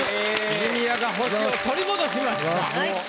ジュニアが星を取り戻しました。